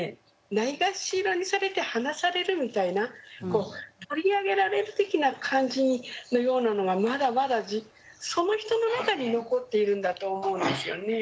ないがしろにされて離されるみたいなこう取り上げられる的な感じのようなのがまだまだその人の中に残っているんだと思うんですよね。